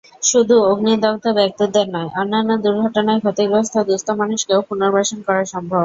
শুধু অগ্নিদগ্ধ ব্যক্তিদের নয়, অন্যান্য দুর্ঘটনায় ক্ষতিগ্রস্ত দুস্থ মানুষকেও পুনর্বাসন করা সম্ভব।